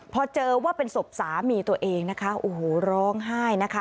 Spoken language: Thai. พอเจอว่าเป็นศพสามีตัวเองนะคะโอ้โหร้องไห้นะคะ